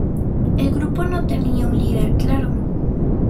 El grupo no tenía un líder claro.